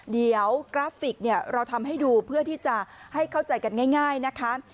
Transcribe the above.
เดี๋ยวกราฟิกเราทำให้ดูเพื่อที่จะให้เข้าใจกันง่ายนะคะ